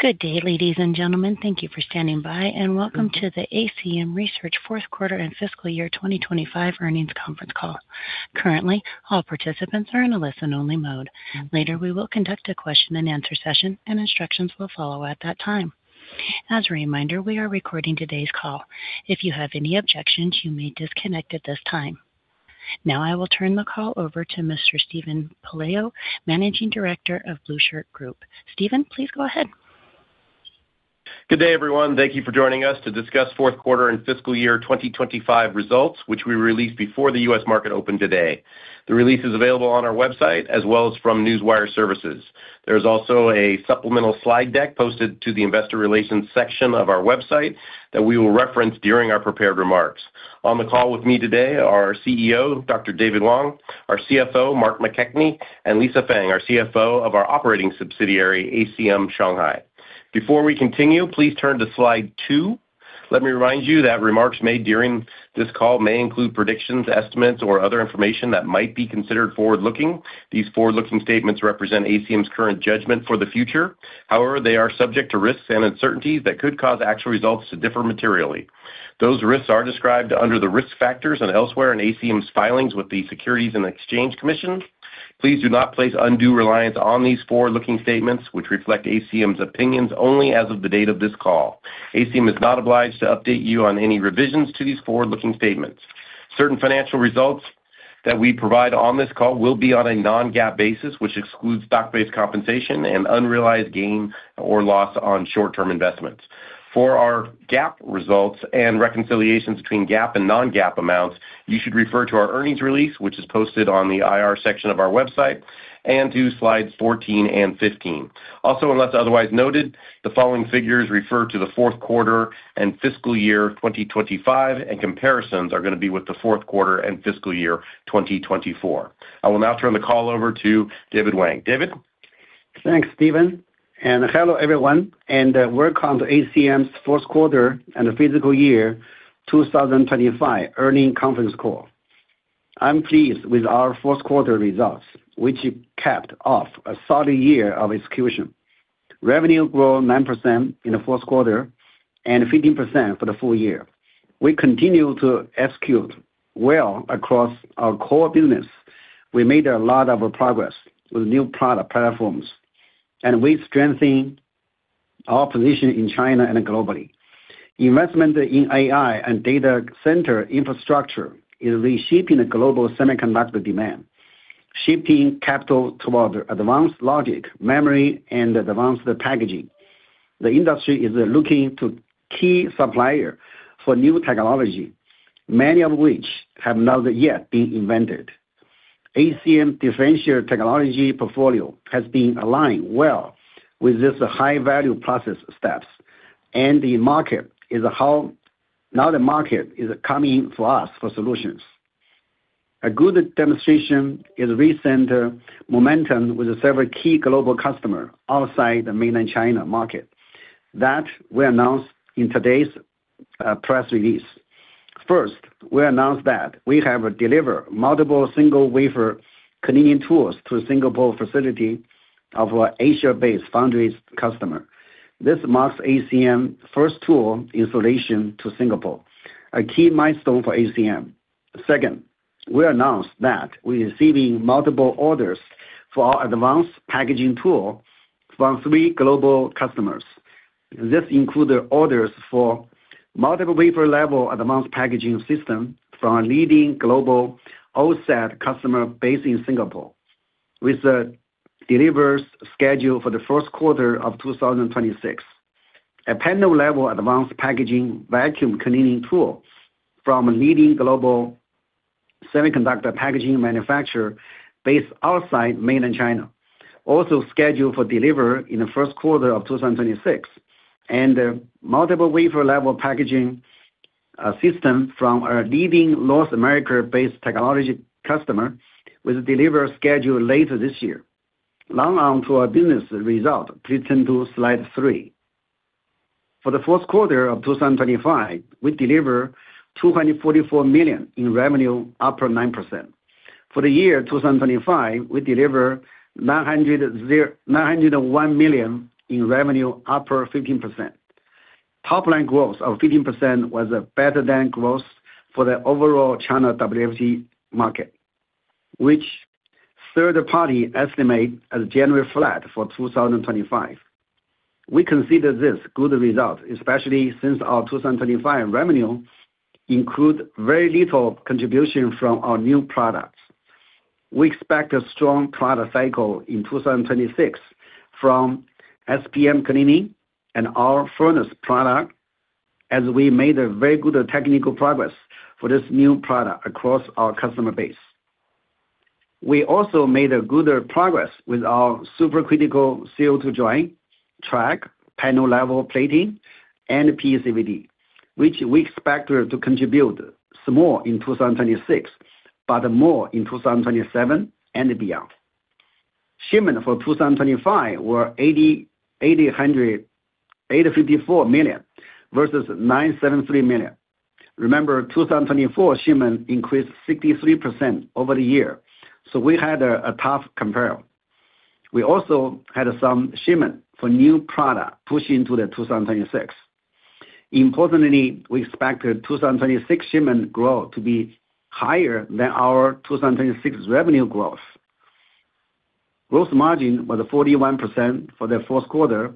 Good day, ladies and gentlemen. Thank you for standing by. Welcome to the ACM Research fourth quarter and fiscal year 2025 earnings conference call. Currently, all participants are in a listen-only mode. Later, we will conduct a question-and-answer session. Instructions will follow at that time. As a reminder, we are recording today's call. If you have any objections, you may disconnect at this time. I will turn the call over to Mr. Steven Pelayo, Managing Director of The Blueshirt Group. Steven, please go ahead. Good day, everyone. Thank you for joining us to discuss fourth quarter and fiscal year 2025 results, which we released before the U.S. market opened today. The release is available on our website as well as from Newswire Services. There's also a supplemental slide deck posted to the investor relations section of our website that we will reference during our prepared remarks. On the call with me today are our CEO, Dr. David Wang, our CFO, Mark McKechnie, and Lisa Feng, our CFO of our operating subsidiary, ACM Shanghai. Before we continue, please turn to slide two. Let me remind you that remarks made during this call may include predictions, estimates, or other information that might be considered forward-looking. These forward-looking statements represent ACM's current judgment for the future. However, they are subject to risks and uncertainties that could cause actual results to differ materially. Those risks are described under the risk factors and elsewhere in ACM's filings with the Securities and Exchange Commission. Please do not place undue reliance on these forward-looking statements, which reflect ACM's opinions only as of the date of this call. ACM is not obliged to update you on any revisions to these forward-looking statements. Certain financial results that we provide on this call will be on a non-GAAP basis, which excludes stock-based compensation and unrealized gain or loss on short-term investments. For our GAAP results and reconciliations between GAAP and non-GAAP amounts, you should refer to our earnings release, which is posted on the IR section of our website, and to slides 14 and 15. Also, unless otherwise noted, the following figures refer to the fourth quarter and fiscal year 2025, and comparisons are gonna be with the fourth quarter and fiscal year 2024. I will now turn the call over to David Wang. David? Thanks, Steven, hello, everyone, and welcome to ACM's fourth quarter and fiscal year 2025 earnings conference call. I'm pleased with our fourth quarter results, which capped off a solid year of execution. Revenue grew 9% in the fourth quarter and 15% for the full year. We continue to execute well across our core business. We made a lot of progress with new product platforms, we strengthen our position in China and globally. Investment in AI and data center infrastructure is reshaping the global semiconductor demand, shifting capital toward advanced logic, memory, and advanced packaging. The industry is looking to key supplier for new technology, many of which have not yet been invented. ACM differentiated technology portfolio has been aligned well with this high-value process steps. Now the market is coming for us for solutions. A good demonstration is recent momentum with several key global customer outside the mainland China market that we announced in today's press release. First, we announced that we have delivered multiple single wafer cleaning tools to Singapore facility of our Asia-based foundries customer. This marks ACM's first tool installation to Singapore, a key milestone for ACM. Second, we announced that we are receiving multiple orders for our advanced packaging tool from three global customers. This include the orders for multiple wafer-level advanced packaging system from a leading global OSAT customer based in Singapore, with the delivers scheduled for the first quarter of 2026. A panel-level advanced packaging vacuum cleaning tool from a leading global semiconductor packaging manufacturer based outside mainland China, also scheduled for delivery in the first quarter of 2026. Multiple wafer-level packaging system from a leading North America-based technology customer, with delivery scheduled later this year. Now on to our business result. Please turn to slide 3. For the fourth quarter of 2025, we deliver $244 million in revenue, up 9%. For the year 2025, we deliver $901 million in revenue, up 15%. Top-line growth of 15% was better than growth for the overall China WFE market, which third party estimate as generally flat for 2025. We consider this good result, especially since our 2025 revenue include very little contribution from our new products. We expect a strong product cycle in 2026 from SPM cleaning and our furnace product, as we made a very good technical progress for this new product across our customer base. We also made a good progress with our supercritical CO2 dry track, panel level plating, and PECVD, which we expect to contribute some more in 2026, but more in 2027 and beyond. Shipment for 2025 were $854 million versus $973 million. 2024 shipment increased 63% over the year, so we had a tough compare. We also had some shipment for new product pushed into 2026. Importantly, we expect the 2026 shipment growth to be higher than our 2026 revenue growth. Growth margin was 41% for the fourth quarter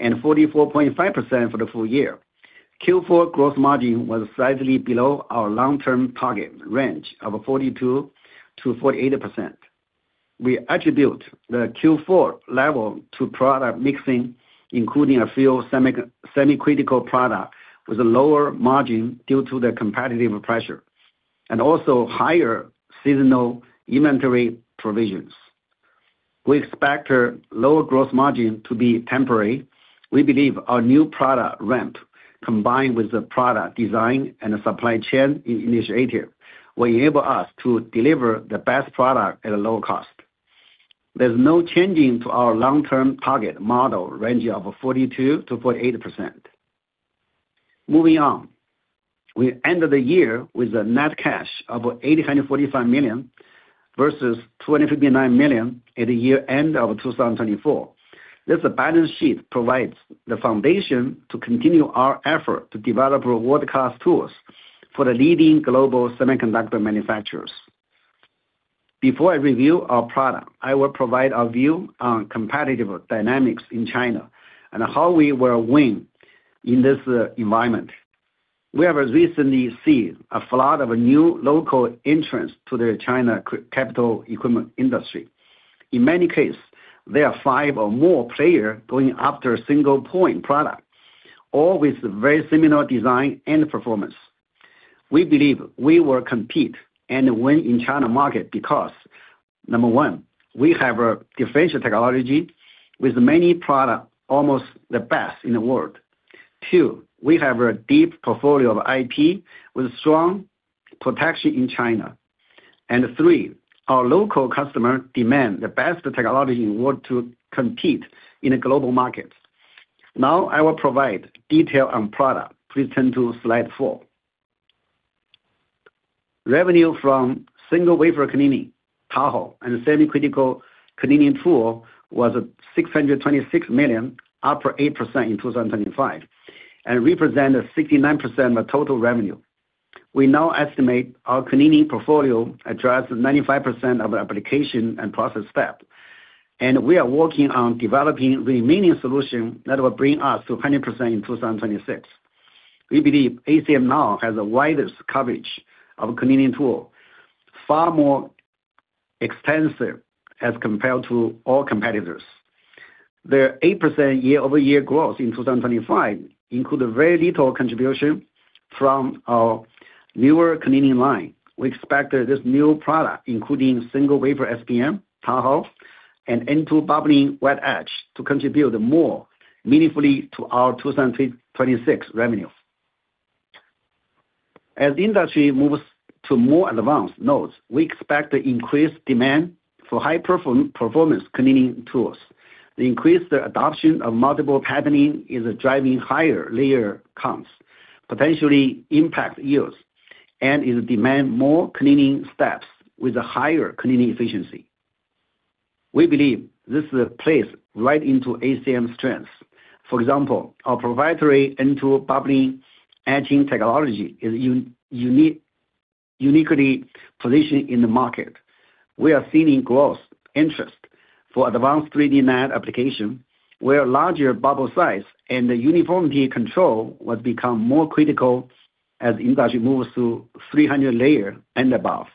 and 44.5% for the full year. Q4 growth margin was slightly below our long-term target range of 42%-48%. We attribute the Q4 level to product mixing, including a few semi-critical product with a lower margin due to the competitive pressure, and also higher seasonal inventory provisions. We expect our lower growth margin to be temporary. We believe our new product ramp, combined with the product design and the supply chain initiative, will enable us to deliver the best product at a low cost. There's no changing to our long-term target model range of 42%-48%. Moving on. We ended the year with a net cash of $845 million, versus $259 million at the year end of 2024. This balance sheet provides the foundation to continue our effort to develop world-class tools for the leading global semiconductor manufacturers. Before I review our product, I will provide our view on competitive dynamics in China and how we will win in this environment. We have recently seen a flood of new local entrants to the China capital equipment industry. In many case, there are 5 or more player going after a single point product, all with very similar design and performance. We believe we will compete and win in China market because, number one, we have a differential technology with many product, almost the best in the world. Two, we have a deep portfolio of IP with strong protection in China. Three, our local customer demand the best technology in order to compete in the global markets. Now, I will provide detail on product. Please turn to slide four. Revenue from single wafer cleaning, Tahoe, and semi-critical cleaning tool was $626 million, up 8% in 2025, and represent 69% of total revenue. We now estimate our cleaning portfolio addresses 95% of the application and process step, we are working on developing remaining solution that will bring us to 100% in 2026. We believe ACM now has the widest coverage of cleaning tool, far more extensive as compared to all competitors. The 8% year-over-year growth in 2025 included very little contribution from our newer cleaning line. We expect this new product, including single wafer SPM, Tahoe, and N2 bubbling wet etch, to contribute more meaningfully to our 2026 revenue. As the industry moves to more advanced nodes, we expect increased demand for high performance cleaning tools. The increased adoption of multiple patterning is driving higher layer counts, potentially impact yields, and it demand more cleaning steps with a higher cleaning efficiency. We believe this plays right into ACM's strengths. For example, our proprietary N2 bubbling etching technology is uniquely positioned in the market. We are seeing growth, interest for advanced 3D NAND application, where larger bubble size and the uniformity control will become more critical as the industry moves to 300 layer and above.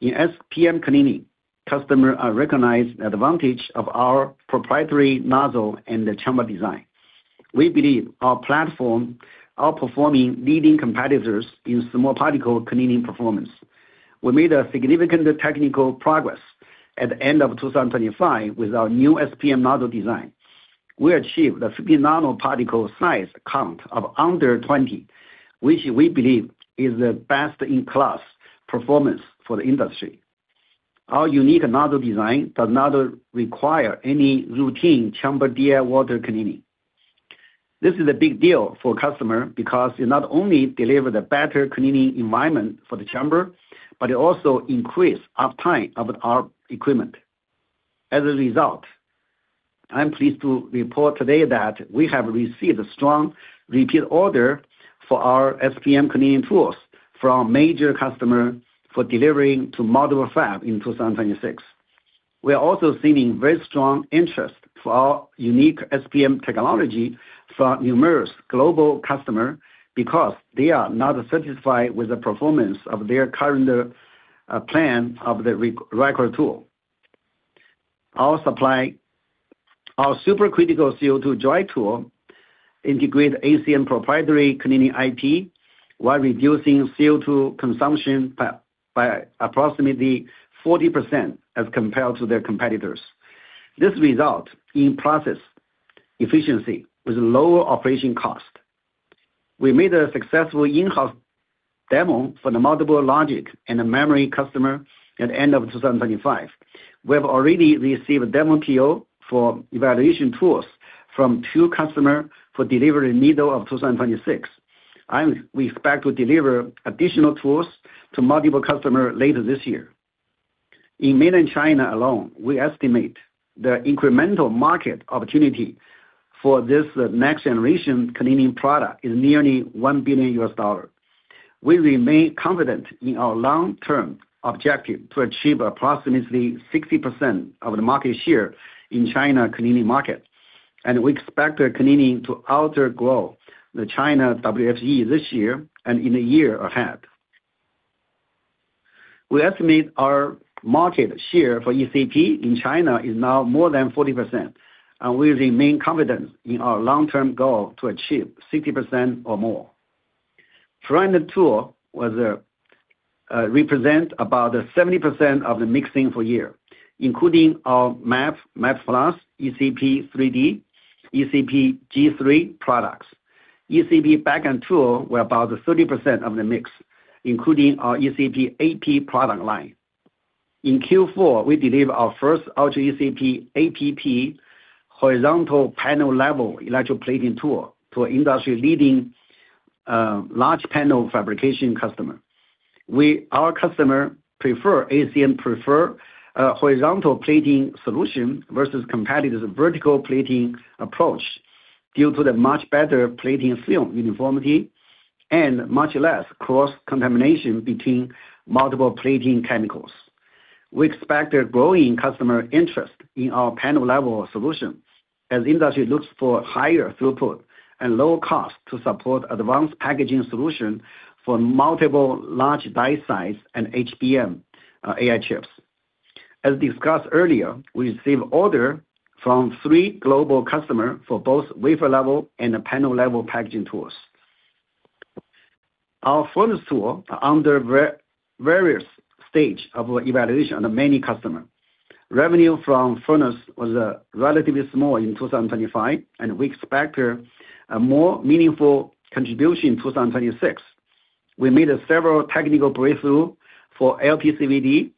In SPM cleaning, customer are recognized advantage of our proprietary nozzle and the chamber design. We believe our platform outperforming leading competitors in small particle cleaning performance. We made a significant technical progress at the end of 2025 with our new SPM nozzle design. We achieved a 3 nanoparticle size count of under 20, which we believe is the best-in-class performance for the industry. Our unique nozzle design does not require any routine chamber DI water cleaning. This is a big deal for customer because it not only deliver the better cleaning environment for the chamber, but it also increase uptime of our equipment. As a result, I'm pleased to report today that we have received a strong repeat order for our SPM cleaning tools from major customer for delivering to modular fab in 2026. We are also seeing very strong interest for our unique SPM technology from numerous global customer because they are not satisfied with the performance of their current plan of the record tool. Our supercritical CO2 dry tool integrate ACM proprietary cleaning IP, while reducing CO2 consumption by approximately 40% as compared to their competitors. This result in process efficiency with lower operating cost. We made a successful in-house-... demo for the multiple logic and the memory customer at the end of 2025. We have already received a demo PO for evaluation tools from two customer for delivery in middle of 2026, we expect to deliver additional tools to multiple customer later this year. In mainland China alone, we estimate the incremental market opportunity for this next generation cleaning product is nearly $1 billion. We remain confident in our long-term objective to achieve approximately 60% of the market share in China cleaning market, we expect the cleaning to outgrow the China WFE this year and in the year ahead. We estimate our market share for ECP in China is now more than 40%, we remain confident in our long-term goal to achieve 60% or more. Front-end tool was represent about 70% of the mixing for year, including our MAP Plus, Ultra ECP 3d, Ultra ECP GIII products. ECP back-end tool were about 30% of the mix, including our Ultra ECP ap product line. In Q4, we delivered our first Ultra ECP ap-p horizontal panel level electroplating tool to an industry-leading large panel fabrication customer. Our customer prefer, ACM prefer, horizontal plating solution versus competitive vertical plating approach, due to the much better plating film uniformity and much less cross-contamination between multiple plating chemicals. We expect a growing customer interest in our panel-level solution as the industry looks for higher throughput and low cost to support advanced packaging solution for multiple large die sites and HBM, AI chips. As discussed earlier, we received order from three global customer for both wafer level and the panel level packaging tools. Our furnace tool are under various stage of evaluation on many customer. Revenue from furnace was relatively small in 2025, and we expect a more meaningful contribution in 2026. We made several technical breakthrough for LPCVD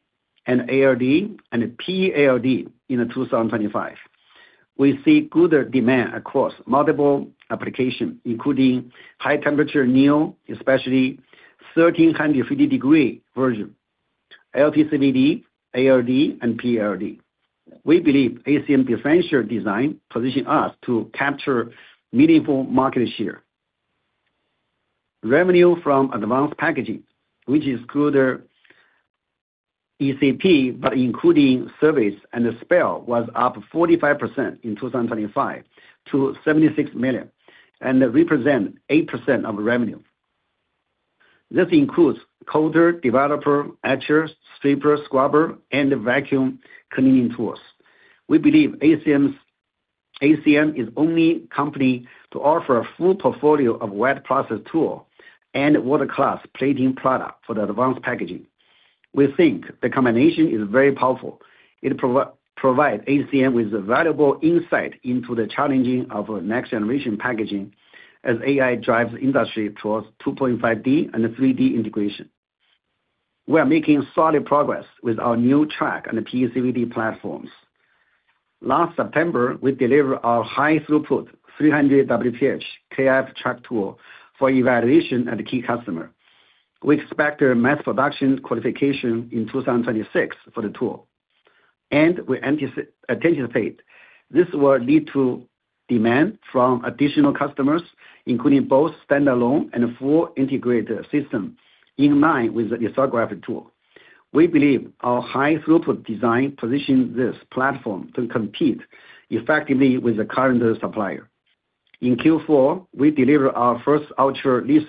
and ALD and PALD in 2025. We see good demand across multiple application, including high temperature anneal, especially 1,350 degrees version, LPCVD, ALD, and PALD. We believe ACM differential design position us to capture meaningful market share. Revenue from advanced packaging, which is good ECP, but including service and the spare, was up 45% in 2025 to $76 million, and represent 8% of revenue. This includes coater, developer, etcher, stripper, scrubber, and vacuum cleaning tools. We believe ACM is only company to offer a full portfolio of wet process tool and world-class plating product for the advanced packaging. We think the combination is very powerful. It provide ACM with valuable insight into the challenging of next-generation packaging as AI drives industry towards 2.5D and 3D integration. We are making solid progress with our new track on the PECVD platforms. Last September, we delivered our high-throughput, 300 WPH KrF track tool for evaluation at a key customer. We expect a mass production qualification in 2026 for the tool, and we anticipate this will lead to demand from additional customers, including both standalone and full integrated system, in line with the lithography tool. We believe our high-throughput design positions this platform to compete effectively with the current supplier. In Q4, we delivered our first Ultra Lith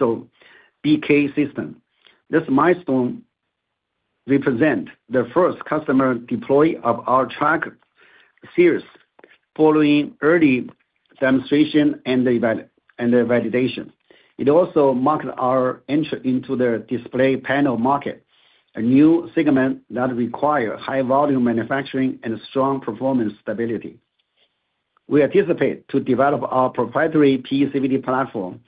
BK system. This milestone represent the first customer deploy of our track series, following early demonstration and the validation. It also marked our entry into the display panel market, a new segment that require high volume manufacturing and strong performance stability. We anticipate to develop our proprietary PECVD platform.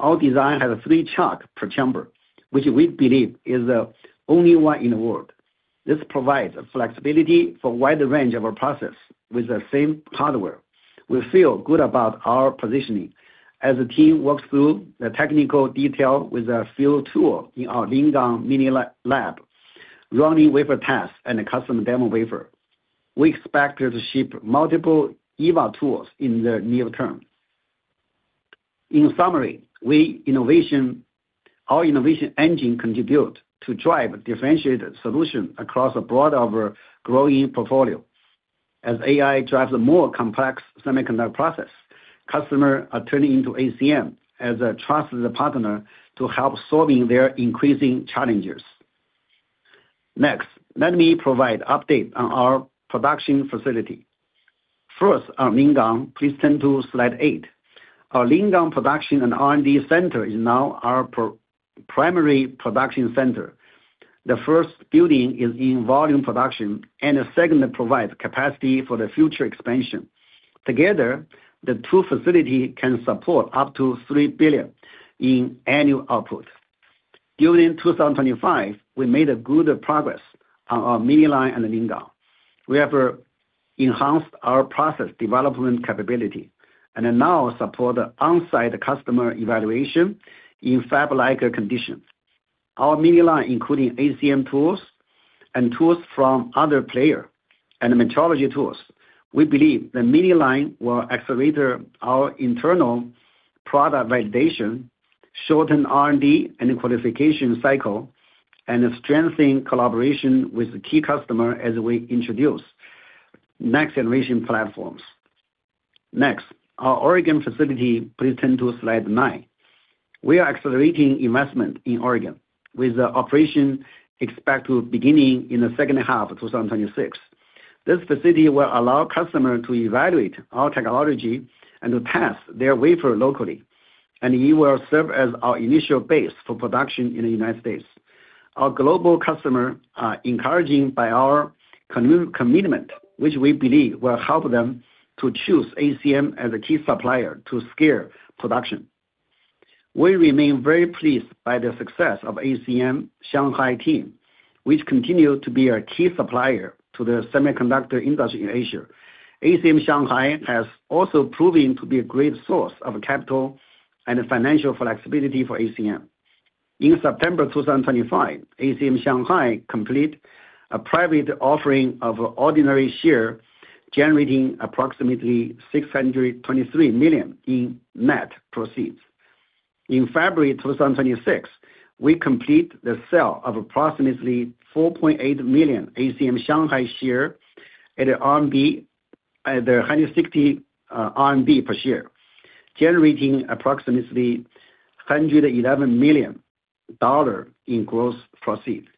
Our design has three chuck per chamber, which we believe is the only one in the world. This provides flexibility for a wide range of our process with the same hardware. We feel good about our positioning as the team works through the technical detail with a field tool in our Lingang mini lab, running wafer tests and a custom demo wafer. We expect to ship multiple EVA tools in the near term. In summary, our innovation engine contribute to drive differentiated solution across a broad of our growing portfolio. AI drives a more complex semiconductor process, customer are turning to ACM as a trusted partner to help solving their increasing challenges. Let me provide update on our production facility. Our Lingang. Please turn to slide eight. Our Lingang Production and R&D Center is now our primary production center. The first building is in volume production, and the second provides capacity for the future expansion. Together, the two facility can support up to $3 billion in annual output. During 2025, we made a good progress on our mini line and Ningbo. We have enhanced our process development capability and now support on-site customer evaluation in fab-like conditions. Our mini line, including ACM tools and tools from other player and metrology tools. We believe the mini line will accelerate our internal product validation, shorten R&D and qualification cycle, and strengthen collaboration with the key customer as we introduce next-generation platforms. Our Oregon facility. Please turn to slide nine. We are accelerating investment in Oregon, with the operation expected to beginning in the second half of 2026. This facility will allow customers to evaluate our technology and to test their wafer locally, and it will serve as our initial base for production in the United States. Our global customer are encouraged by our commitment, which we believe will help them to choose ACM as a key supplier to scale production. We remain very pleased by the success of ACM Shanghai team, which continue to be a key supplier to the semiconductor industry in Asia. ACM Shanghai has also proven to be a great source of capital and financial flexibility for ACM. In September 2025, ACM Shanghai completed a private offering of ordinary share, generating approximately $623 million in net proceeds. In February 2026, we completed the sale of approximately 4.8 million ACM Shanghai shares at RMB, at the 160 RMB per share, generating approximately $111 million in gross proceeds.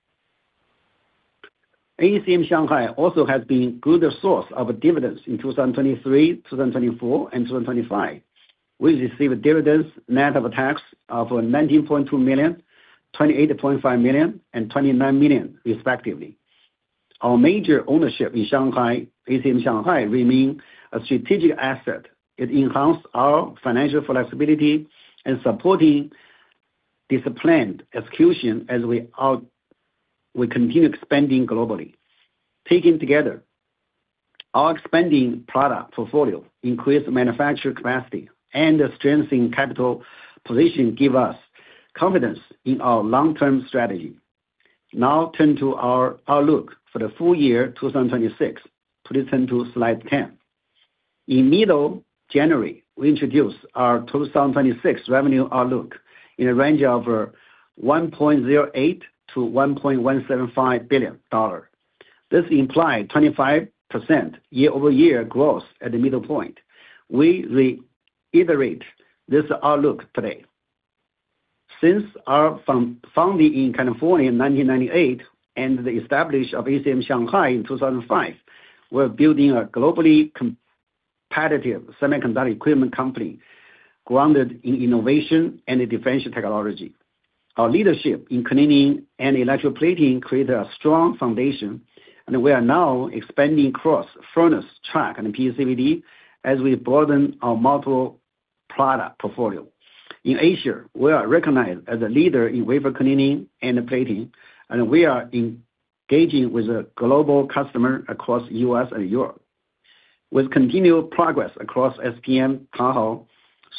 ACM Shanghai also has been a good source of dividends in 2023, 2024, and 2025. We received dividends net of tax of $19.2 million, $28.5 million, and $29 million, respectively. Our major ownership in Shanghai, ACM Shanghai, remain a strategic asset. It enhanced our financial flexibility and supporting disciplined execution as we continue expanding globally. Taken together, our expanding product portfolio, increased manufacturing capacity, and a strengthening capital position give us confidence in our long-term strategy. Turn to our outlook for the full year 2026. Please turn to slide 10. In middle January, we introduced our 2026 revenue outlook in a range of $1.08 billion-$1.175 billion. This implies 25% year-over-year growth at the middle point. We reiterate this outlook today. Since our founding in California in 1998, and the establishment of ACM Shanghai in 2005, we're building a globally competitive semiconductor equipment company, grounded in innovation and differential technology. Our leadership in cleaning and electroplating created a strong foundation, and we are now expanding across furnace, track, and PECVD as we broaden our multiple product portfolio. In Asia, we are recognized as a leader in wafer cleaning and plating, and we are engaging with a global customer across U.S. and Europe. With continued progress across SPM, Tahoe,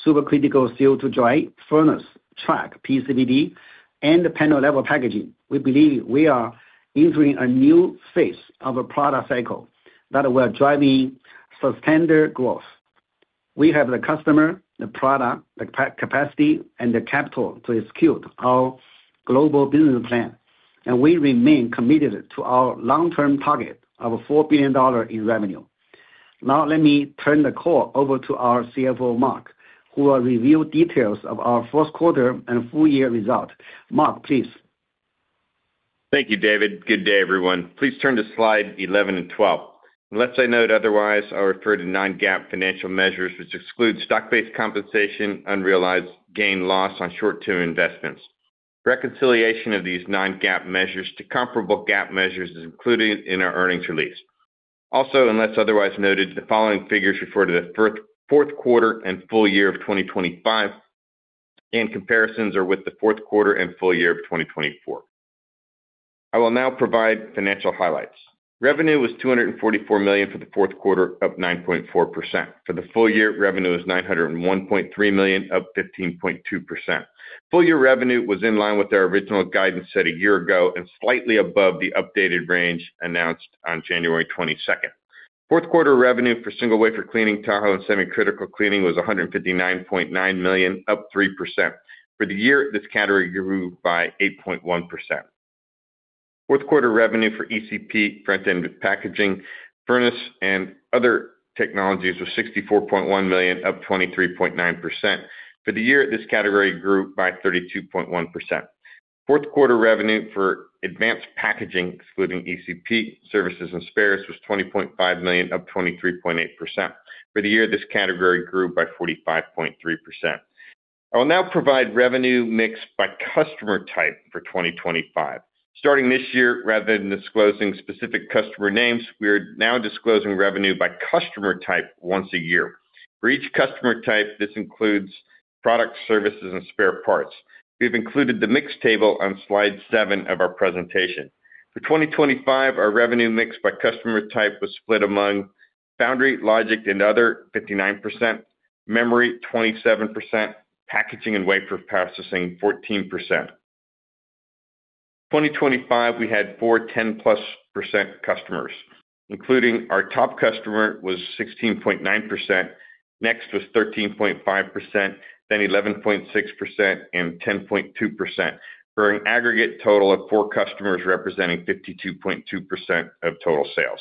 supercritical CO2 dry, furnace, track, PECVD, and panel-level packaging, we believe we are entering a new phase of a product cycle that will driving substandard growth. We have the customer, the product, the capacity, and the capital to execute our global business plan, and we remain committed to our long-term target of $4 billion in revenue. Now let me turn the call over to our CFO Mark, who will review details of our first quarter and full year results. Mark, please. Thank you, David. Good day, everyone. Please turn to slide 11 and 12. Unless I note otherwise, I'll refer to non-GAAP financial measures, which exclude stock-based compensation, unrealized gain loss on short-term investments. Reconciliation of these non-GAAP measures to comparable GAAP measures is included in our earnings release. Unless otherwise noted, the following figures refer to the fourth quarter and full year of 2025, and comparisons are with the fourth quarter and full year of 2024. I will now provide financial highlights. Revenue was $244 million for the fourth quarter, up 9.4%. For the full year, revenue is $901.3 million, up 15.2%. Full year revenue was in line with our original guidance set a year ago and slightly above the updated range announced on January 22nd. Fourth quarter revenue for single wafer cleaning, Tahoe, and semi-critical cleaning was $159.9 million, up 3%. For the year, this category grew by 8.1%. Fourth quarter revenue for ECP, front-end packaging, furnace, and other technologies was $64.1 million, up 23.9%. For the year, this category grew by 32.1%. Fourth quarter revenue for advanced packaging, excluding ECP, services, and spares, was $20.5 million, up 23.8%. For the year, this category grew by 45.3%. I will now provide revenue mix by customer type for 2025. Starting this year, rather than disclosing specific customer names, we are now disclosing revenue by customer type once a year. For each customer type, this includes products, services, and spare parts. We've included the mix table on slide seven of our presentation. For 2025, our revenue mix by customer type was split among foundry, logic, and other 59%, memory 27%, packaging and wafer processing 14%. 2025, we had four, 10+% customers, including our top customer was 16.9%, next was 13.5%, then 11.6%, and 10.2%, for an aggregate total of four customers representing 52.2% of total sales.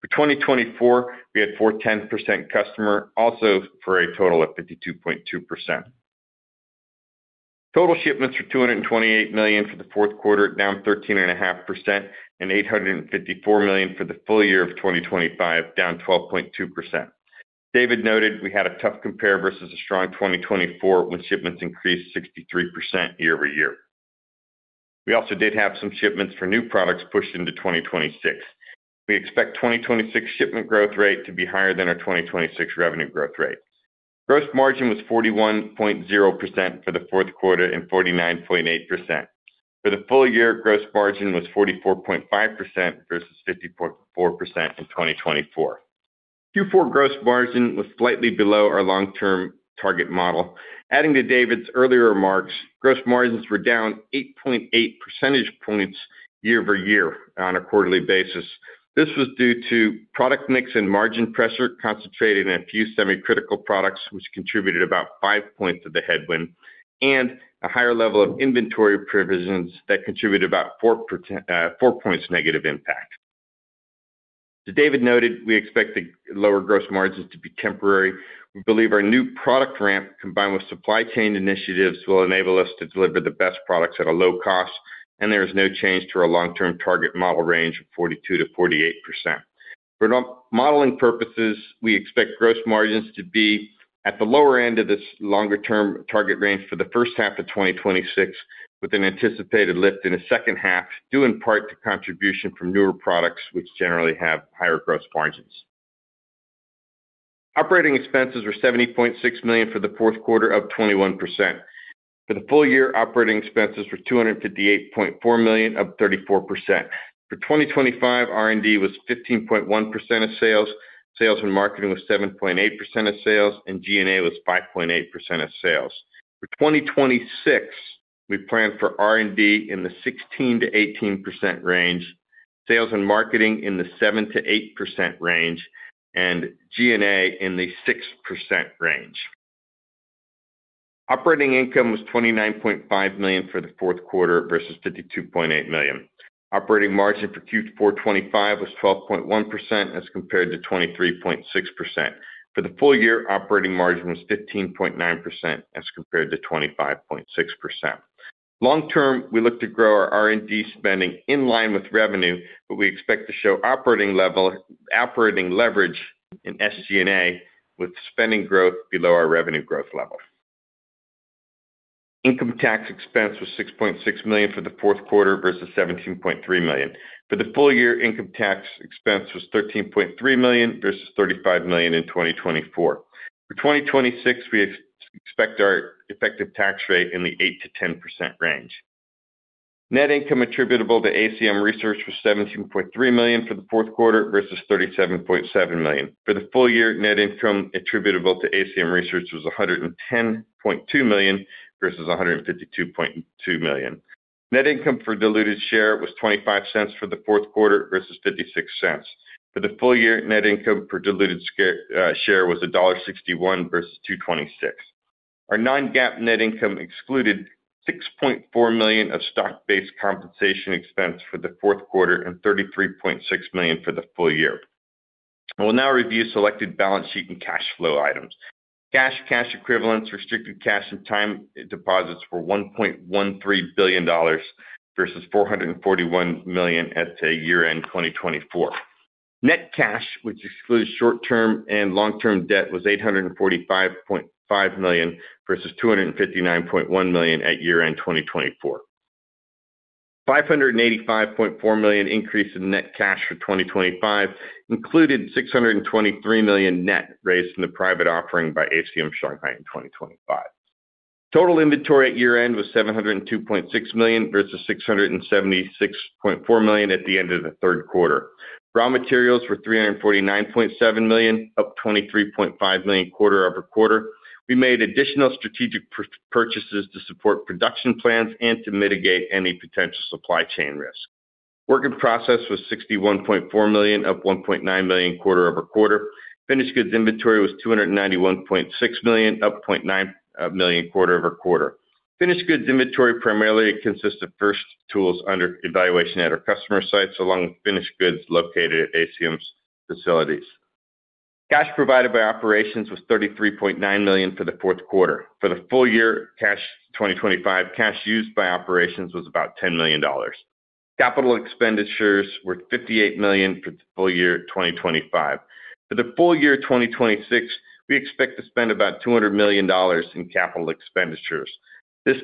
For 2024, we had four, 10% customer, also for a total of 52.2%. Total shipments were $228 million for the fourth quarter, down 13.5%, and $854 million for the full year of 2025, down 12.2%. David noted we had a tough compare versus a strong 2024, when shipments increased 63% year-over-year. We also did have some shipments for new products pushed into 2026. We expect 2026 shipment growth rate to be higher than our 2026 revenue growth rate. Gross margin was 41.0% for the fourth quarter, and 49.8%. For the full year, gross margin was 44.5% versus 50.4% in 2024. Q4 gross margin was slightly below our long-term target model. Adding to David's earlier remarks, gross margins were down 8.8 percentage points year-over-year on a quarterly basis. This was due to product mix and margin pressure concentrated in a few semi-critical products, which contributed about 5 points of the headwind, and a higher level of inventory provisions that contributed about 4%, 4 points negative impact. As David noted, we expect the lower gross margins to be temporary. We believe our new product ramp, combined with supply chain initiatives, will enable us to deliver the best products at a low cost, and there is no change to our long-term target model range of 42%-48%. For modeling purposes, we expect gross margins to be at the lower end of this longer-term target range for the first half of 2026, with an anticipated lift in the second half, due in part to contribution from newer products, which generally have higher gross margins. Operating expenses were $70.6 million for the fourth quarter, up 21%. For the full year, operating expenses were $258.4 million, up 34%. For 2025, R&D was 15.1% of sales and marketing was 7.8% of sales, and G&A was 5.8% of sales. For 2026, we plan for R&D in the 16%-18% range, sales and marketing in the 7%-8% range, and G&A in the 6% range. Operating income was $29.5 million for the fourth quarter versus $52.8 million. Operating margin for Q4 2025 was 12.1% as compared to 23.6%. For the full year, operating margin was 15.9% as compared to 25.6%. Long term, we look to grow our R&D spending in line with revenue, but we expect to show operating leverage in SG&A, with spending growth below our revenue growth level. Income tax expense was $6.6 million for the fourth quarter versus $17.3 million. For the full year, income tax expense was $13.3 million versus $35 million in 2024. For 2026, we expect our effective tax rate in the 8%-10% range. Net income attributable to ACM Research was $17.3 million for the fourth quarter versus $37.7 million. For the full year, net income attributable to ACM Research was $110.2 million versus $152.2 million. Net income for diluted share was $0.25 for the fourth quarter versus $0.56. For the full year, net income per diluted share was $1.61 versus $2.26. Our non-GAAP net income excluded $6.4 million of stock-based compensation expense for the fourth quarter and $33.6 million for the full year. I will now review selected balance sheet and cash flow items. Cash, cash equivalents, restricted cash, and time deposits were $1.13 billion versus $441 million at year-end 2024. Net cash, which excludes short-term and long-term debt, was $845.5 million versus $259.1 million at year-end 2024. $585.4 million increase in net cash for 2025 included $623 million net raised in the private offering by ACM Shanghai in 2025. Total inventory at year-end was $702.6 million versus $676.4 million at the end of the third quarter. Raw materials were $349.7 million, up $23.5 million quarter-over-quarter. We made additional strategic purchases to support production plans and to mitigate any potential supply chain risk. Work in process was $61.4 million, up $1.9 million quarter-over-quarter. Finished goods inventory was $291.6 million, up $0.9 million quarter-over-quarter. Finished goods inventory primarily consists of first tools under evaluation at our customer sites, along with finished goods located at ACM's facilities. Cash provided by operations was $33.9 million for the fourth quarter. For the full year, cash 2025, cash used by operations was about $10 million. CapEx were $58 million for the full year 2025. For the full year 2026, we expect to spend about $200 million in CapEx. This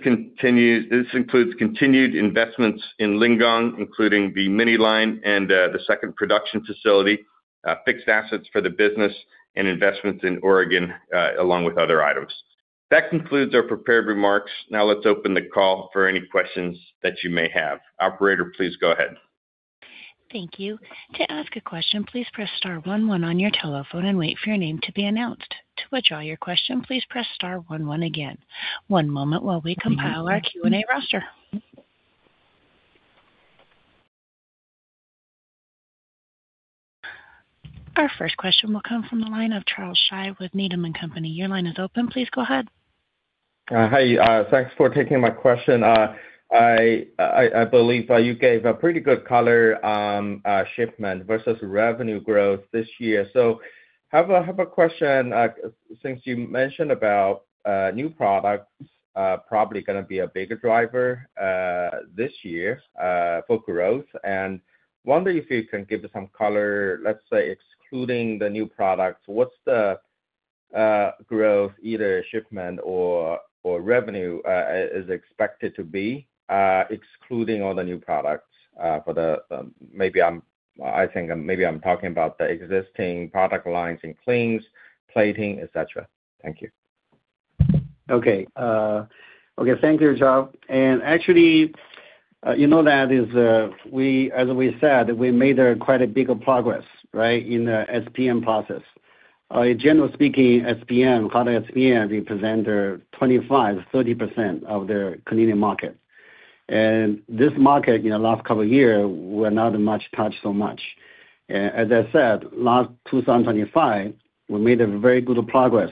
includes continued investments in Lingang, including the mini-line and the second production facility, fixed assets for the business and investments in Oregon, along with other items. That concludes our prepared remarks. Let's open the call for any questions that you may have. Operator, please go ahead. Thank you. To ask a question, please press star one one on your telephone and wait for your name to be announced. To withdraw your question, please press star one one again. One moment while we compile our Q&A roster. Our first question will come from the line of Charles Shi with Needham and Company. Your line is open. Please go ahead. Hi, thanks for taking my question. I believe you gave a pretty good color on shipment versus revenue growth this year. Have a question since you mentioned about new products, probably gonna be a bigger driver this year for growth, and wondering if you can give some color, let's say, excluding the new products, what's the growth, either shipment or revenue, is expected to be, excluding all the new products, for the... I think maybe I'm talking about the existing product lines in cleans, plating, et cetera? Thank you. Okay. Okay, thank you, Charles. Actually, you know, that is, we, as we said, we made quite a big progress, right, in the SPM process. In general, speaking, SPM, color SPM, represent 25%-30% of the cleaning market. This market, in the last couple of years, were not much touched so much. As I said, last 2025, we made a very good progress,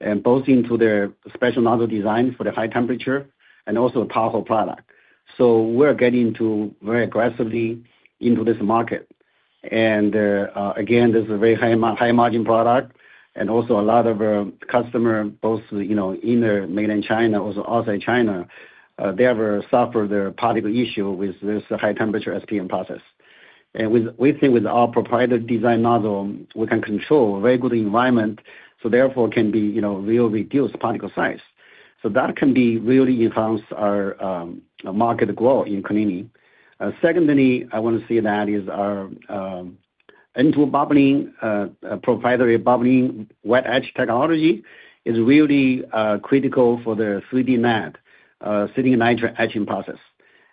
and both into their special module design for the high temperature and also a powerful product. We're getting to very aggressively into this market. Again, this is a very high high margin product, and also a lot of our customer, both, you know, in the mainland China, also outside China, they have suffered a particle issue with this high temperature SPM process. With, we think with our proprietary design model, we can control a very good environment, so therefore, can be, you know, really reduce particle size. That can be really enhance our market growth in cleaning. Secondly, I want to say that is our N2 bubbling proprietary bubbling wet etch technology is really critical for the 3D NAND sitting in nitric etching process,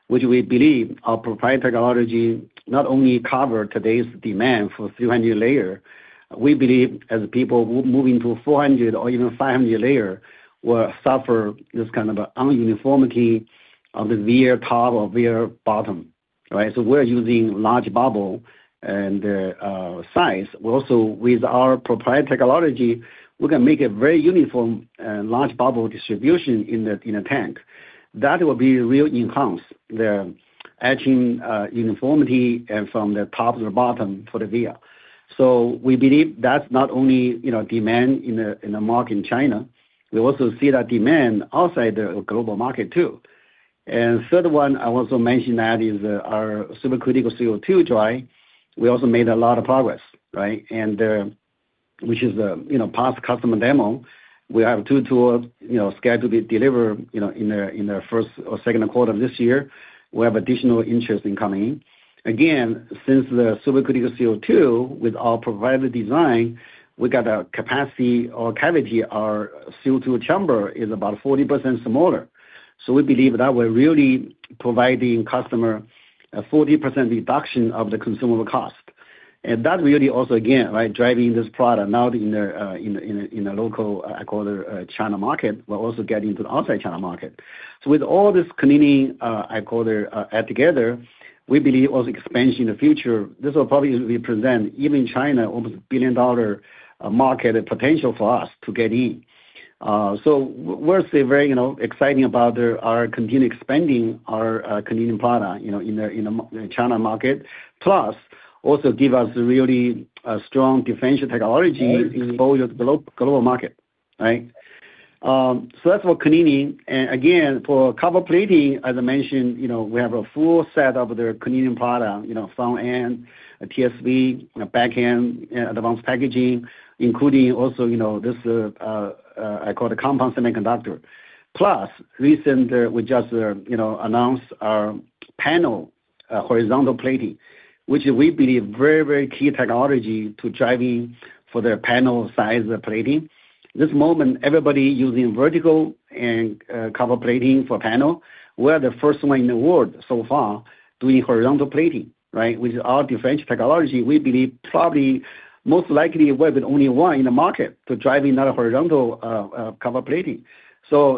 which we believe our proprietary technology not only cover today's demand for 300 layer, we believe as people move into 400 or even 500 layer, will suffer this kind of uniformity of the via top or via bottom, right? We're using large bubble and size. With our proprietary technology, we can make a very uniform and large bubble distribution in a tank. That will be really enhance the etching uniformity and from the top to the bottom for the via. We believe that's not only, you know, demand in the, in the market in China, we also see that demand outside the global market, too. Third one, I also mentioned that is our supercritical CO2 dry. We also made a lot of progress, right? Which is the, you know, past customer demo. We have two tools, you know, scheduled to be delivered, you know, in the, in the first or second quarter of this year. We have additional interest in coming in. Since the supercritical CO2, with our provided design, we got a capacity or cavity, our CO2 chamber is about 40% smaller. We believe that we're really providing customer a 40% reduction of the consumable cost. That really also, again, right, driving this product not in a, in a, in a local, I call it China market, but also getting to the outside China market. With all this cleaning, I call the together, we believe all the expansion in the future, this will probably represent, even China, almost a billion-dollar market potential for us to get in. We're still very, you know, exciting about our continued expanding our cleaning product, you know, in the, in the China market. Plus, also give us a really strong differential technology exposure to global market. Right? That's for cleaning. Again, for copper plating, as I mentioned, you know, we have a full set of the cleaning product, you know, front end, TSV, back end, advanced packaging, including also, you know, this I call the compound semiconductor. Recent, we just, you know, announced our panel, horizontal plating, which we believe very, very key technology to driving for the panel size plating. This moment, everybody using vertical and copper plating for panel. We're the first one in the world so far doing horizontal plating, right? With our differential technology, we believe probably, most likely, we're the only one in the market to drive another horizontal copper plating.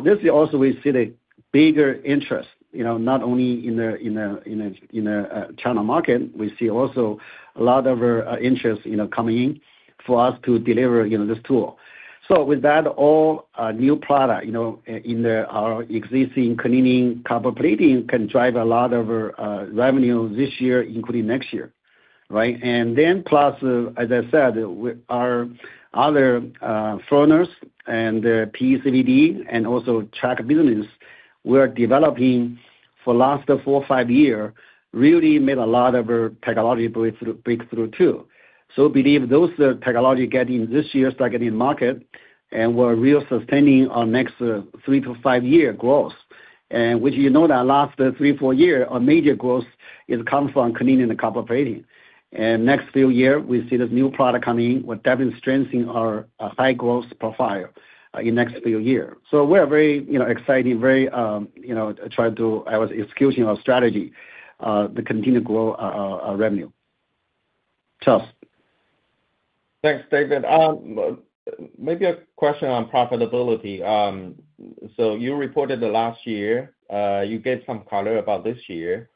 This is also we see the bigger interest, you know, not only in the China market, we see also a lot of interest, you know, coming in for us to deliver, you know, this tool. With that, all new product, you know, our existing cleaning copper plating can drive a lot of revenue this year, including next year, right? Plus, as I said, we, our other furnace and PECVD and also track business, we're developing for last four or five years, really made a lot of technological breakthrough, too. Believe those technology getting this year, start getting market and we're real sustaining our next three to five years growth. Which you know that last, four year, four year, our major growth is come from cleaning the copper plating. Next few year, we see this new product coming in, will definitely strengthening our high growth profile in next few years. We're very, you know, exciting, very, you know, try to, as execution our strategy, to continue to grow our, our revenue. Charles? Thanks, David. Maybe a question on profitability. You reported the last year, you gave some color about this year,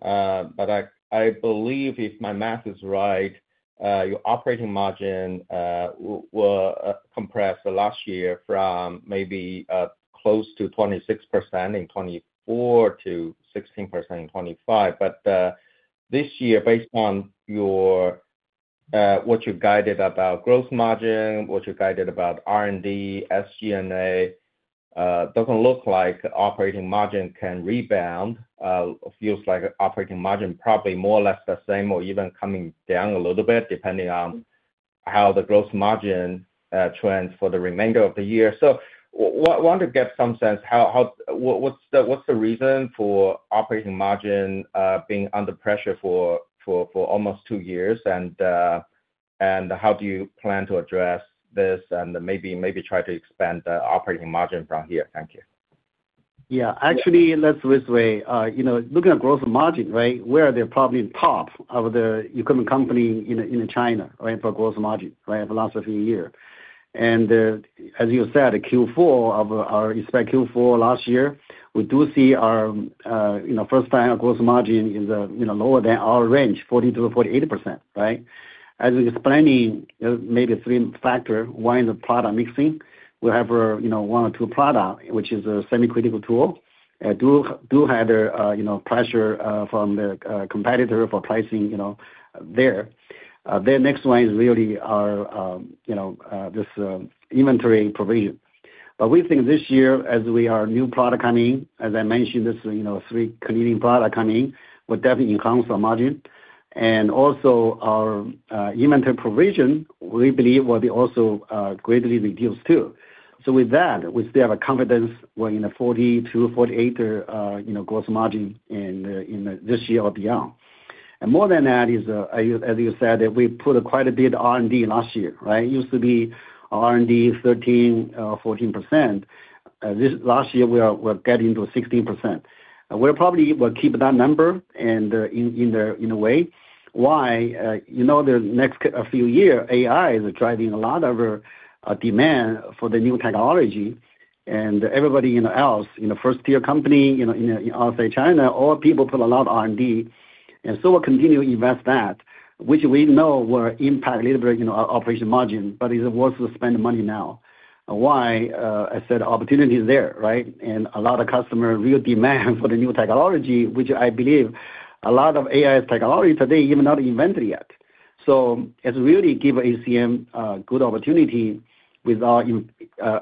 but I believe if my math is right, your operating margin will compress the last year from maybe close to 26% in 2024 to 16% in 2025. This year, based on your what you guided about growth margin, what you guided about R&D, SG&A, doesn't look like operating margin can rebound. Feels like operating margin probably more or less the same, or even coming down a little bit, depending on how the growth margin trends for the remainder of the year. Want to get some sense how what's the reason for operating margin being under pressure for almost two years? How do you plan to address this and maybe try to expand the operating margin from here? Thank you. Yeah, actually, let's this way, you know, looking at gross margin, right? We are the probably top of the equipment company in China, right, for gross margin, right, the last few year. As you said, Q4 of our, especially Q4 last year, we do see our, you know, first time our gross margin is, you know, lower than our range, 40%-48%, right? As explaining, maybe three factor, one is the product mixing. We have, you know, one or two product, which is a semi-critical tool, do have a, you know, pressure from the competitor for pricing, you know, there. The next one is really our, you know, this inventory provision. We think this year, as we are new product coming in, as I mentioned, this, you know, three cleaning product coming in, will definitely enhance our margin. Also our inventory provision, we believe, will be also greatly reduced too. With that, we still have a confidence we're in a 40%-48%, you know, growth margin in this year or beyond. More than that is, as you said, we put quite a bit of R&D last year, right? It used to be R&D, 13%, 14%. This last year, we're getting to 16%. We're probably will keep that number and in a way. Why? You know, the next few year, AI is driving a lot of demand for the new technology. Everybody, you know, else, you know, first-tier company, you know, in outside China, all people put a lot of R&D. We'll continue to invest that, which we know will impact a little bit, you know, our operation margin, but it's worth to spend the money now. Why? I said opportunity is there, right? A lot of customer real demand for the new technology, which I believe a lot of AI technology today, even not invented yet. It's really give ACM good opportunity with our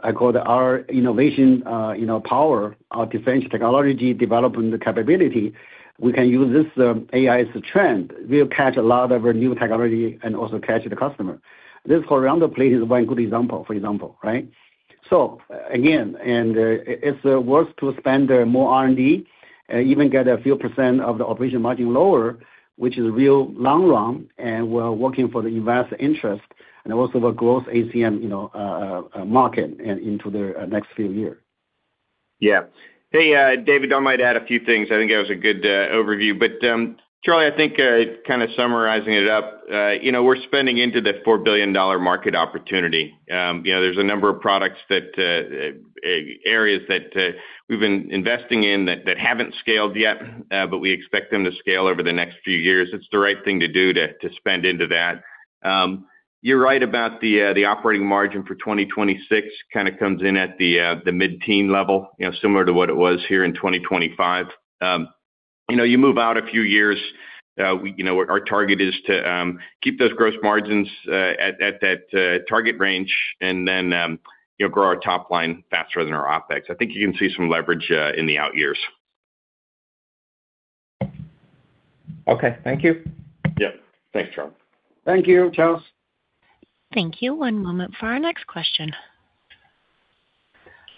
I call it our innovation, you know, power, our defense technology, development capability. We can use this AI as a trend. We'll catch a lot of our new technology and also catch the customer. This around the place is one good example, for example, right? Again, it's worth to spend more R&D, even get a few % of the operation margin lower, which is real long run, and we're working for the investor interest and also the growth ACM, you know, market and into the next few years. Yeah. Hey, David, I might add a few things. I think that was a good overview. Charles Shi, I think, kind of summarizing it up, you know, we're spending into the $4 billion market opportunity. You know, there's a number of products that, areas that, we've been investing in that haven't scaled yet, but we expect them to scale over the next few years. It's the right thing to do to spend into that. You're right about the operating margin for 2026, kind of comes in at the mid-teen level, you know, similar to what it was here in 2025. You know, you move out a few years, we, you know, our target is to keep those gross margins at that target range, and then, you know, grow our top line faster than our OpEx. I think you can see some leverage in the out years. Okay. Thank you. Yep. Thanks, Charles. Thank you, Charles. Thank you. One moment for our next question.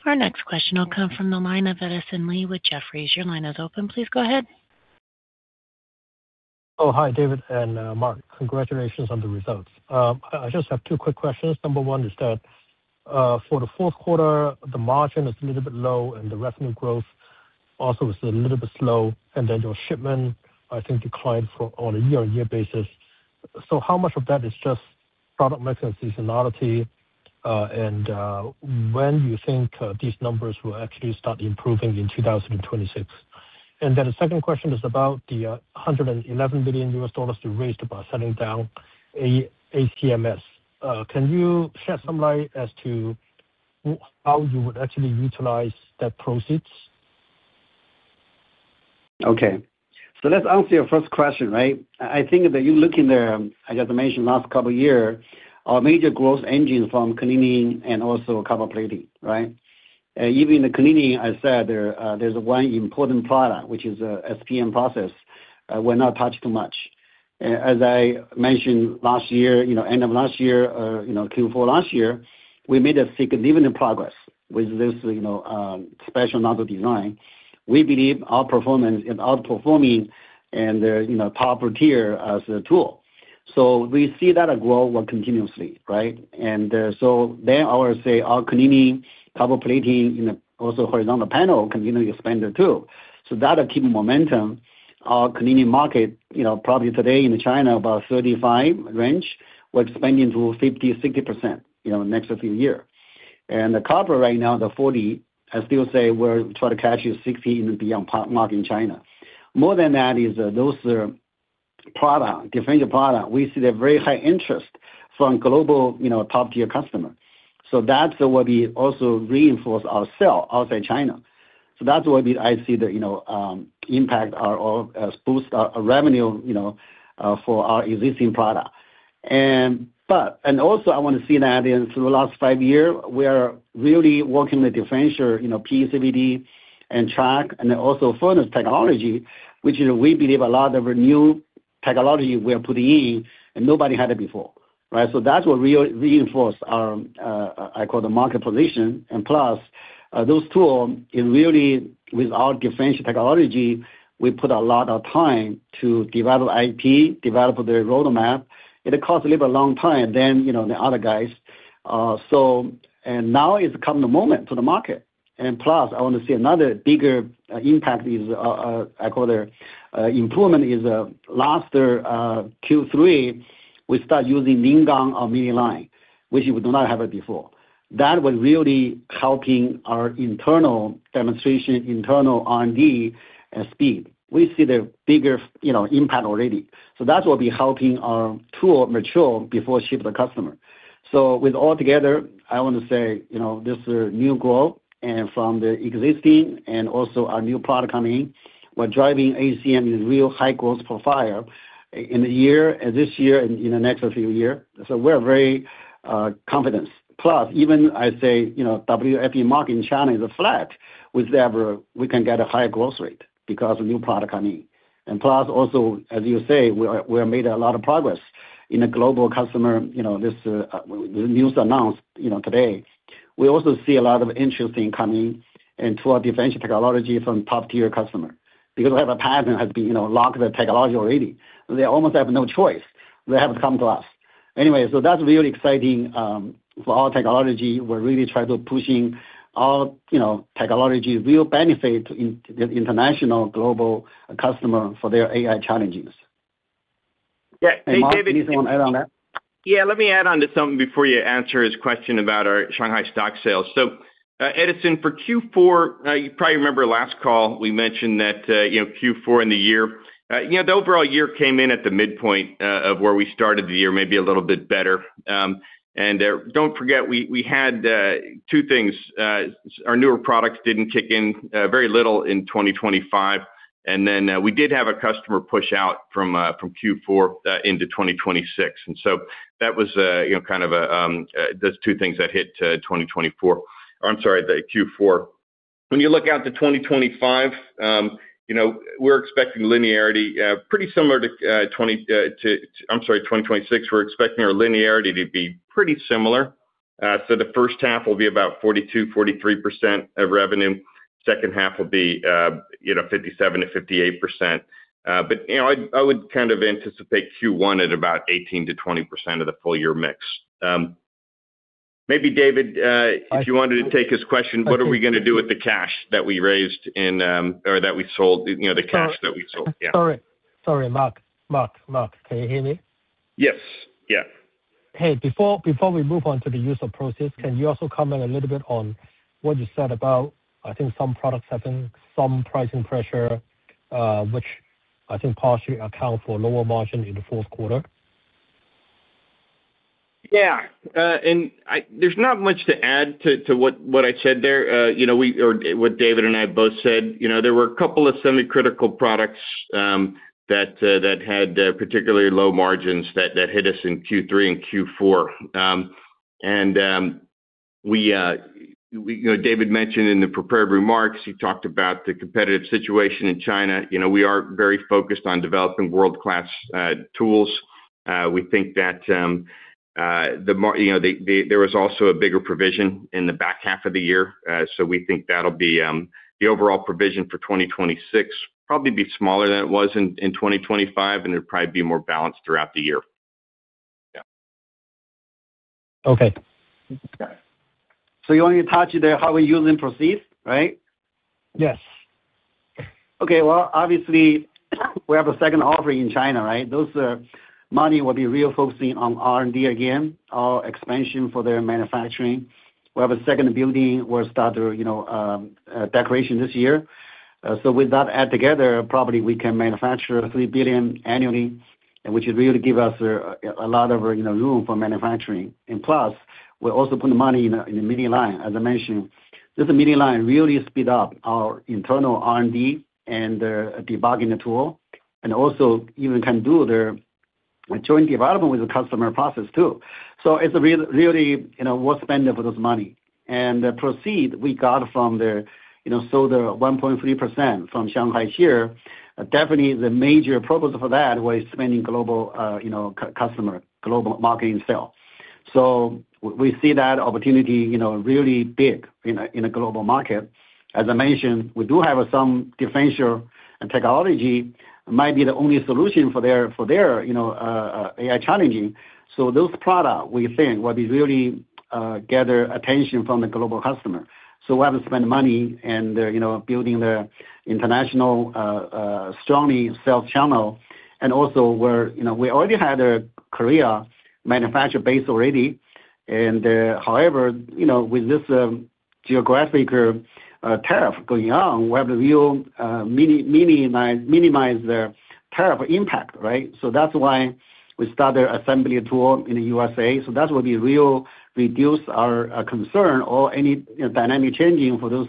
Our next question will come from the line of Edison Lee with Jefferies. Your line is open. Please go ahead. Hi, David and Mark. Congratulations on the results. I just have two quick questions. Number one is that for the fourth quarter, the margin is a little bit low, and the revenue growth also is a little bit slow, and then your shipment, I think, declined for on a year-on-year basis. How much of that is just product mix and seasonality, and when you think these numbers will actually start improving in 2026? The second question is about the $111 billion you raised by selling down ACMS. Can you shed some light as to how you would actually utilize that proceeds? Okay, let's answer your first question, right? I think that you looking there, as I mentioned last couple of year, our major growth engine from cleaning and also copper plating, right? Even the cleaning, I said, there's one important product, which is SPM process, we're not touched too much. As I mentioned last year, you know, end of last year, you know, Q4 last year, we made a significant progress with this, you know, special novel design. We believe our performance is outperforming and they're, you know, top tier as a tool. We see that grow more continuously, right? I would say our cleaning, copper plating, and also horizontal panel continue to expand it too. That will keep the momentum. Our cleaning market, you know, probably today in China, about 35 range, we're expanding to 50%-60%, you know, next few year. The copper right now, the 40, I still say we're trying to catch 60 and beyond mark in China. More than that is those product, different product, we see the very high interest from global, you know, top-tier customer. That's what we also reinforce ourselves outside China. That's why I see the, you know, impact our, or as boost our revenue, you know, for our existing product. Also I want to see that in through the last five year, we are really working with differentiator, you know, PECVD and track, and then also furnace technology, which, you know, we believe a lot of our new technology we're putting in, and nobody had it before, right? That's what reinforce our, I call the market position. Plus, those tool, it really, with our differential technology, we put a lot of time to develop IP, develop the roadmap. It cost a little long time than, you know, the other guys. Now it's come the moment to the market. Plus, I want to see another bigger impact is, I call the improvement, is last Q3, we start using Ningdong mini line, which we do not have it before. That was really helping our internal demonstration, internal R&D and speed. We see the bigger, you know, impact already. That will be helping our tool mature before ship the customer. With all together, I want to say, you know, this is a new growth, and from the existing and also our new product coming in, we're driving ACM in real high growth profile in the year, this year and in the next few year. We're very confident. Even I say, you know, WFE market in China is flat, whichever we can get a higher growth rate because of new product coming in. As you say, we have made a lot of progress in the global customer, you know, this news announced, you know, today. We also see a lot of interest in coming into our differential technology from top-tier customer. We have a pattern, has been, you know, locked the technology already. They almost have no choice. They have to come to us. That's really exciting for our technology. We're really trying to pushing our, you know, technology will benefit the international global customer for their AI challenges. Yeah. Hey, David. Mark, anything you want to add on that? Yeah, let me add on to something before you answer his question about our Shanghai stock sales. Edison, for Q4, you probably remember last call, we mentioned that, you know, Q4 in the year. You know, the overall year came in at the midpoint of where we started the year, maybe a little bit better. Don't forget, we had two things. Our newer products didn't kick in very little in 2025, we did have a customer push out from Q4 into 2026. That was, you know, kind of a, those two things that hit 2024. I'm sorry, the Q4. When you look out to 2025, you know, we're expecting linearity pretty similar to I'm sorry, 2026, we're expecting our linearity to be pretty similar. The first half will be about 42%-43% of revenue. Second half will be, you know, 57%-58%. I would kind of anticipate Q1 at about 18%-20% of the full year mix. Maybe David, if you wanted to take his question, what are we gonna do with the cash that we raised in or that we sold, you know, the cash that we sold? Yeah. Sorry. Sorry, Mark. Mark, can you hear me? Yes. Yeah. Hey, before we move on to the use of proceeds, can you also comment a little bit on what you said about, I think some products having some pricing pressure, which I think partially account for lower margin in the fourth quarter? Yeah. There's not much to add to what I said there. You know, we, or what David and I both said. You know, there were a couple of semi-critical products that had particularly low margins that hit us in Q3 and Q4. You know, David mentioned in the prepared remarks, he talked about the competitive situation in China. You know, we are very focused on developing world-class tools. We think that, you know, there was also a bigger provision in the back half of the year. We think that'll be the overall provision for 2026, probably be smaller than it was in 2025, and it'd probably be more balanced throughout the year. Yeah. Okay. You want me to touch on how we're using proceeds, right? Yes. Well, obviously, we have a second offering in China, right. Those money will be really focusing on R&D again, our expansion for their manufacturing. We have a second building where we start to, you know, decoration this year. With that add together, probably we can manufacture $3 billion annually, and which would really give us a lot of, you know, room for manufacturing. Plus, we're also putting money in the, in the mini line. As I mentioned, this mini line really speed up our internal R&D and debugging the tool, and also even can do. We join development with the customer process, too. So it's really, you know, worth spending for this money. The proceed we got from the, you know, so the 1.3% from Shanghai here, definitely the major purpose for that was spending global, you know, customer, global marketing sale. We see that opportunity, you know, really big in a global market. As I mentioned, we do have some differential, and technology might be the only solution for their, for their, you know, AI challenging. Those product, we think, will be really gather attention from the global customer. We have to spend money and, you know, building the international, strongly sales channel. Also, we already had a Korea manufacturer base already. However, you know, with this geographic tariff going on, we have to minimize the tariff impact, right? That's why we start the assembly tool in the USA. That will be real, reduce our concern or any, you know, dynamic changing for those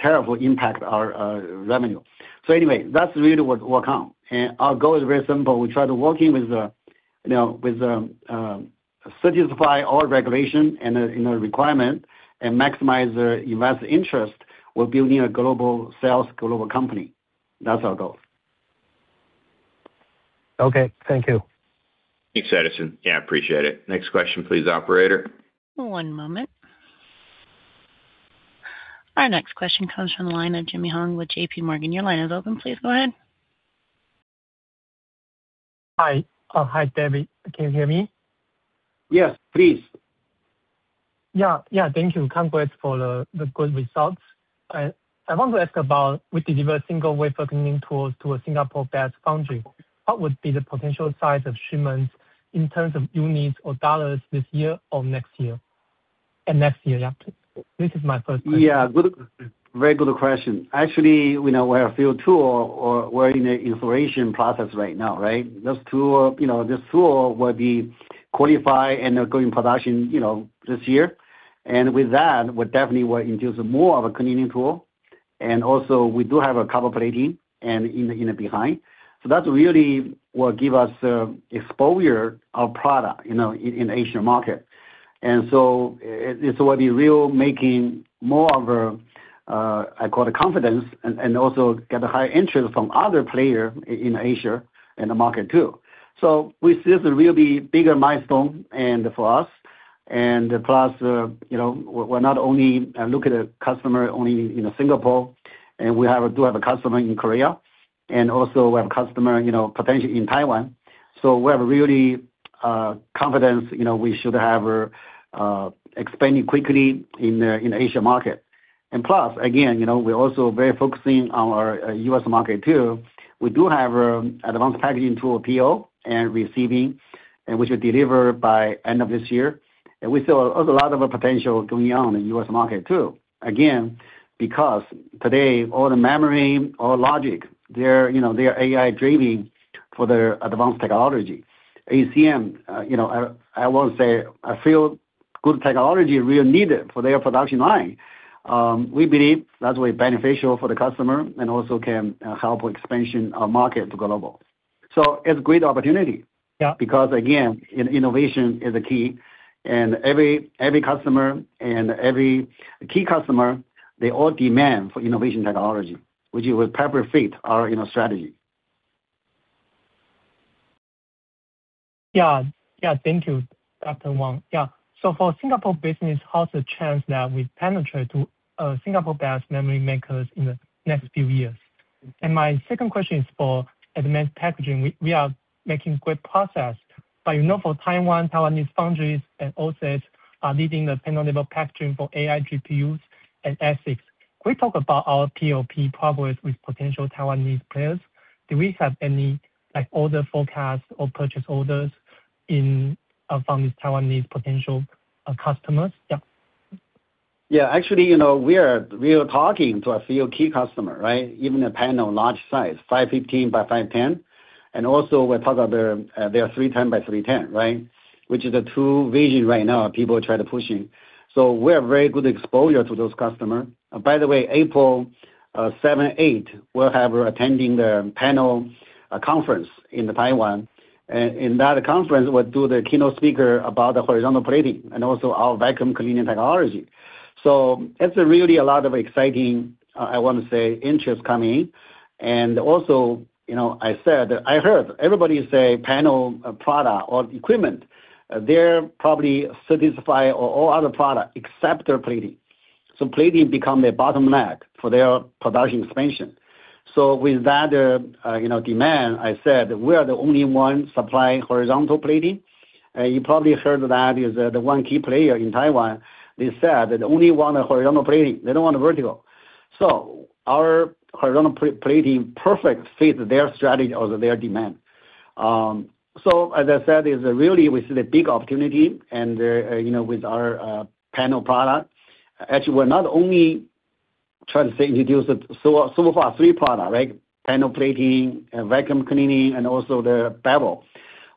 tariff impact our revenue. Anyway, that's really what we count. Our goal is very simple. We try to working with the, you know, with satisfy all regulation and, you know, requirement and maximize the investor interest. We're building a global sales, global company. That's our goal. Okay, thank you. Thanks, Edison. Yeah, I appreciate it. Next question, please, operator. One moment. Our next question comes from the line of Jimmy Hong with JP Morgan. Your line is open. Please go ahead. Hi. Hi, David. Can you hear me? Yes, please. Thank you. Congrats for the good results. I want to ask about we deliver a single wafer cleaning tools to a Singapore-based foundry. What would be the potential size of shipments in terms of units or dollars this year or next year? Next year. This is my first question. Yeah, good, very good question. Actually, you know, we have a few tool or we're in the installation process right now, right? Those tool, you know, this tool will be qualified and go in production, you know, this year. With that, we definitely will introduce more of a cleaning tool. Also, we do have a copper plating in the behind. That's really what give us exposure of product, you know, in Asian market. It will be real making more of a, I call it confidence, and also get a high interest from other player in Asia, in the market, too. We see this a really bigger milestone and for us. Plus, you know, we're not only look at a customer only in Singapore, we do have a customer in Korea, also we have customer, you know, potentially in Taiwan. We have really confidence, you know, we should have expanding quickly in Asia market. Plus, again, you know, we're also very focusing on our U.S. market, too. We do have a advanced packaging tool, PO and receiving, which will deliver by end of this year. We see a lot of potential going on in U.S. market, too. Again, because today, all the memory or logic, they're, you know, they are AI driving for their advanced technology. ACM, you know, I want to say, I feel good technology is really needed for their production line. We believe that's very beneficial for the customer and also can help expansion our market to global. It's a great opportunity... Yeah. Again, in innovation is a key, and every customer and every key customer, they all demand for innovation technology, which it will perfectly fit our, you know, strategy. Yeah, thank you, Dr. Wang. For Singapore business, how's the chance that we penetrate to Singapore-based memory makers in the next few years? My second question is for advanced packaging. We are making great progress, but, you know, for Taiwan, Taiwanese foundries and also are leading the panel-level packaging for AI, GPUs and ASICs. Can we talk about our POP progress with potential Taiwanese players? Do we have any, like, order forecasts or purchase orders in from these Taiwanese potential customers? Yeah. Yeah, actually, you know, we are talking to a few key customer, right? Even a panel, large size, 515 by 510, and also we're talking about their 310 by 310, right? Which is the two vision right now, people try to push in. We have very good exposure to those customer. By the way, April 7, 8, we'll have attending the panel conference in the Taiwan. In that conference, we'll do the keynote speaker about the horizontal plating and also our vacuum cleaning technology. It's really a lot of exciting, I want to say, interest coming in. Also, you know, I said, I heard everybody say panel, product or equipment, they're probably satisfy all other product except their plating. Plating become a bottleneck for their production expansion. With that, you know, demand, I said, we are the only one supplying horizontal plating. You probably heard that is the one key player in Taiwan. They said that they only want a horizontal plating. They don't want a vertical. Our horizontal plating perfect fits their strategy or their demand. As I said, is really we see the big opportunity and, you know, with our panel product. Actually, we're not only trying to say introduce it, so far three product, right? Panel plating, vacuum cleaning, and also the bevel.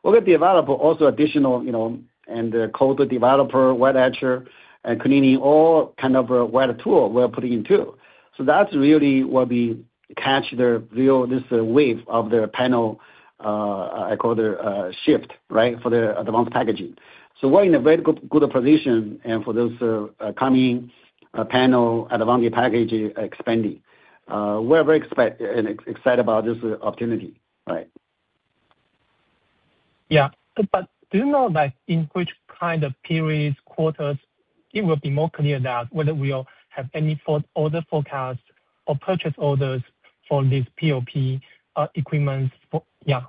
We're going to be available also additional, you know, and the co-developer, wet etcher, and cleaning, all kind of, wet tool we're putting in too. That's really what we catch the real, this, wave of the panel, I call the, shift, right? We're in a very good position and for those coming panel advanced packaging expanding. We're very excited about this opportunity, right? Yeah. Do you know, like, in which kind of periods, quarters, it will be more clear that whether we'll have any order forecast or purchase orders for this POP, equipments for? Yeah.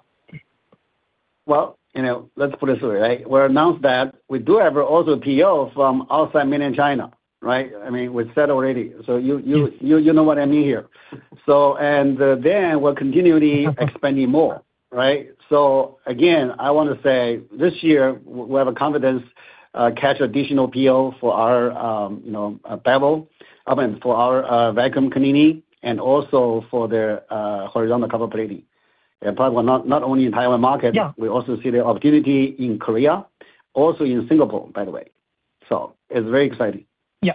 Well, you know, let's put it this way, right? We're announced that we do have also PO from outside mainland China, right? I mean, we said already, you know what I mean here. We're continually expanding more, right? Again, I want to say, this year, we have a confidence, catch additional PO for our, you know, bevel, I mean, for our vacuum cleaning and also for the horizontal copper plating. Probably not only in Taiwan market. Yeah. We also see the opportunity in Korea, also in Singapore, by the way. It's very exciting. Yeah,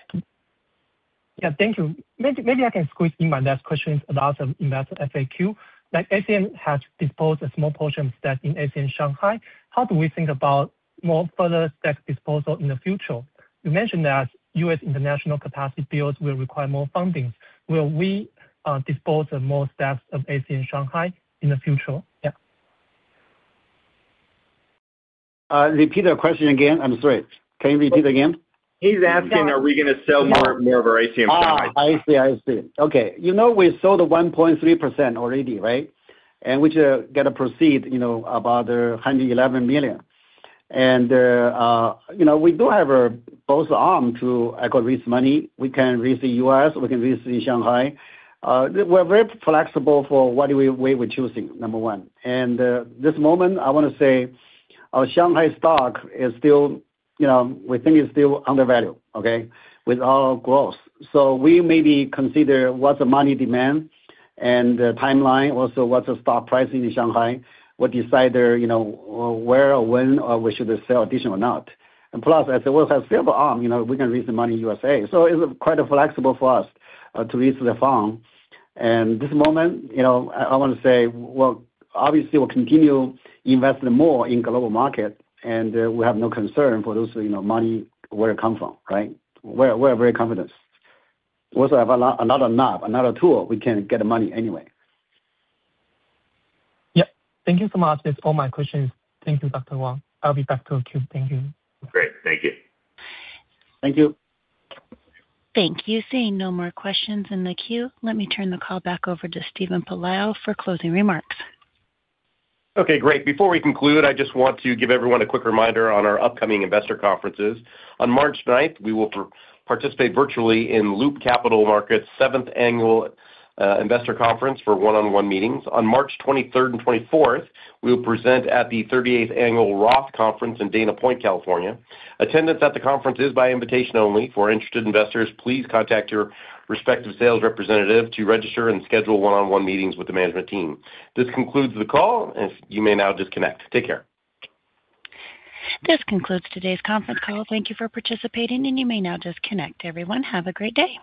thank you. Maybe I can squeeze in my last question about investor FAQ. Like, ACM has disposed a small portion of stock in ACM Shanghai. How do we think about more further stock disposal in the future? You mentioned that U.S. international capacity builds will require more fundings. Will we dispose of more stocks of ACM Shanghai in the future? Yeah. Repeat the question again. I'm sorry. Can you repeat again? He's asking, are we gonna sell more of our ACM Shanghai? I see. I see. Okay. You know, we sold 1.3% already, right? Which got a proceed, you know, about $111 million. You know, we do have a both arm to acquire this money. We can raise in U.S., we can raise in Shanghai. We're very flexible for what we were choosing, number one. This moment, I want to say our Shanghai stock is still, you know, we think it's still undervalued, okay, with our growth. We maybe consider what's the money demand and the timeline, also what's the stock price in Shanghai, will decide, you know, where or when or we should sell additional or not. Plus, as I said, we have several arm, you know, we can raise the money U.S.A. It's quite flexible for us to raise the fund. This moment, you know, I want to say, well, obviously we'll continue investing more in global market, and we have no concern for those, you know, money, where it come from, right? We're very confident. We also have another knob, another tool, we can get the money anyway. Yeah. Thank you so much. It's all my questions. Thank you, Dr. Wang. I'll be back to the queue. Thank you. Great. Thank you. Thank you. Thank you. Seeing no more questions in the queue, let me turn the call back over to Steven Pelayo for closing remarks. Okay, great. Before we conclude, I just want to give everyone a quick reminder on our upcoming investor conferences. On March ninth, we will participate virtually in Loop Capital Markets' seventh Annual Investor Conference for one-on-one meetings. On March 23rd and 24th, we will present at the 38th Annual Roth Conference in Dana Point, California. Attendance at the conference is by invitation only. For interested investors, please contact your respective sales representative to register and schedule one-on-one meetings with the management team. This concludes the call, and you may now disconnect. Take care. This concludes today's conference call. Thank you for participating, and you may now disconnect everyone. Have a great day!